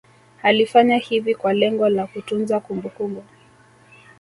Alifanya hivi kwa lengo la kutunza kumbukumbu